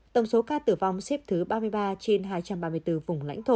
tổng số ca tử vong xếp thứ ba mươi ba trên hai trăm ba mươi bốn vùng lãnh thổ